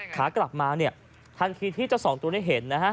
ขากลับมาเนี่ยทันทีที่เจ้าสองตัวได้เห็นนะฮะ